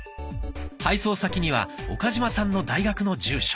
配送先には岡嶋さんの大学の住所。